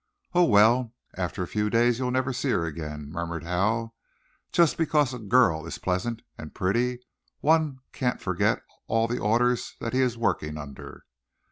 "Oh, well, after a few days you'll never see her again," murmured Hal. "Just because a girl is pleasant and pretty one can't forget all the orders that he's working under."